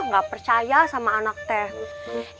nggak percaya sama anak teh